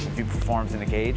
jika dia berperan di dalam kudang